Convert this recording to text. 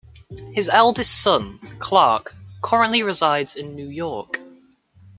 His eldest son, Clark, currently resides in New York.